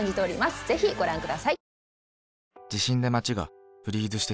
ぜひご覧ください。